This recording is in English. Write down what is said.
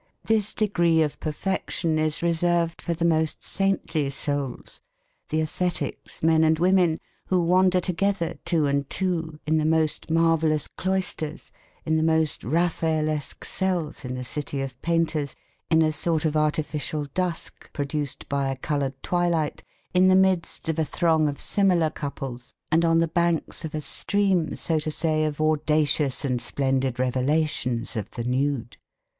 This degree of perfection is reserved for the most saintly souls, the ascetics, men and women, who wander together, two and two, in the most marvellous cloisters, in the most Raphaelesque cells in the city of painters, in a sort of artificial dusk produced by a coloured twilight in the midst of a throng of similar couples, and on the banks of a stream so to say of audacious and splendid revelations of the nude.